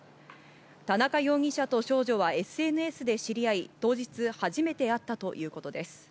田中容疑者と少女はＳＮＳで知り合い当日初めて会ったということです。